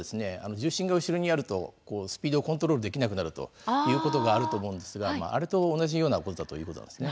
重心が後ろにあるとこうスピードをコントロールできなくなるということがあると思うんですがあれと同じようなことだということなんですね。